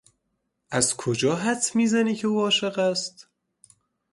از کجا حدس میزنی که او عاشق است؟